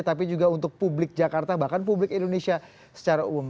tapi juga untuk publik jakarta bahkan publik indonesia secara umum